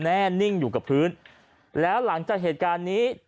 แน่นิ่งอยู่กับพื้นแล้วหลังจากเหตุการณ์นี้